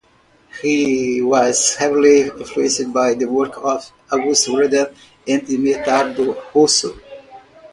He was heavily influenced by the work of Auguste Rodin and Medardo Rosso.